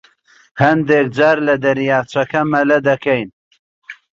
هەندێک جار لە دەریاچەکە مەلە دەکەین.